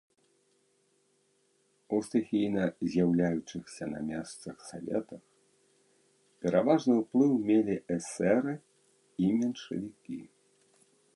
У стыхійна з'яўляючыхся на месцах саветах пераважны ўплыў мелі эсэры і меншавікі.